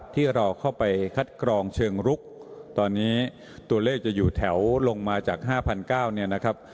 ที่เราเข้าไปคัดกรองเชิงรุกตอนนี้ตัวเลขจะอยู่แถวลงมาจาก๕๙๐๐เนี่ยนะครับ